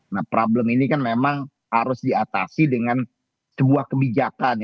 nah problem ini kan memang harus diatasi dengan sebuah kebijakan